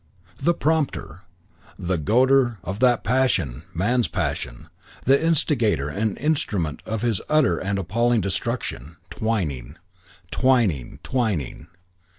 The prompter, the goader of that passionate man's passion, the instigater and instrument of this his utter and appalling destruction. Twyning, Twyning, Twyning!